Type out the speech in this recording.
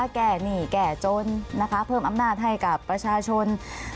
หนี้แก้จนนะคะเพิ่มอำนาจให้กับประชาชน